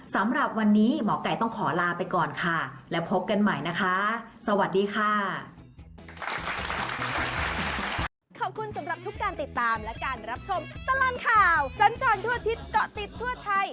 สำหรับวันนี้หมอไก่ต้องขอลาไปก่อนค่ะแล้วพบกันใหม่นะคะสวัสดีค่ะ